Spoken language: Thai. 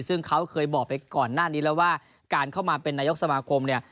ซึ่งเขาเคยบอกไปก่อนหน้านี้แล้วว่าการเข้ามาเป็นนายกสมาคมเนี่ย